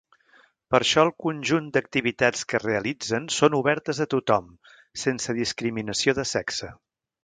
Per això el conjunt d'activitats que realitzen són obertes a tothom sense discriminació de sexe.